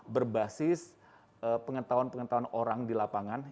berbasis pengetahuan pengetahuan orang di lapangan